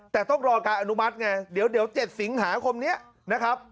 แต่ต้องรอการอนุมัติไงเดี๋ยว๗สิงหาคมนี้นะครับ